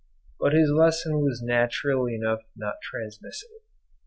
—but his lesson was naturally enough not transmissible.